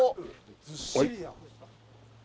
ずっしりや。